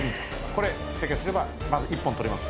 これ正解すればまず１本取れます。